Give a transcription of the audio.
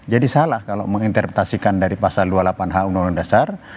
jadi salah kalau menginterpretasikan dari pasal dua puluh delapan h undang undang dasar